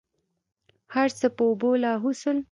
هرڅه په اوبو لاهو سول.